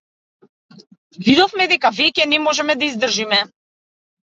Видовме дека веќе не можеме да издржиме.